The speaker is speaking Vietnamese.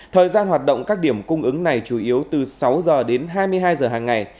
thời gian hoạt động các điểm cung ứng này chủ yếu từ sáu h đến hai mươi hai h hàng ngày